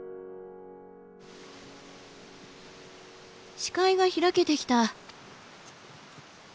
視界が開けてきた。